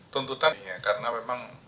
tuntutan ini ya karena memang